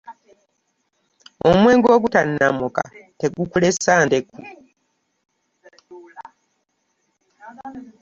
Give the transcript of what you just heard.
Omwenge ogutannammuka tegukuleesa ndeku.